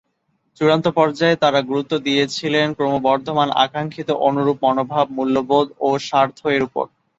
চূড়ান্ত পর্যায়ে তারা গুরুত্ব দিয়েছিলেন ক্রমবর্ধমান আকাঙ্ক্ষিত অনুরূপ মনোভাব, মূল্যবোধ ও স্বার্থ এর ওপর।